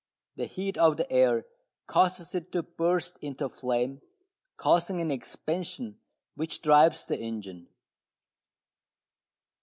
The heat of the air causes it to burst into flame, causing an expansion which drives the engine.